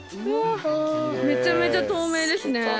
めちゃめちゃ透明ですね。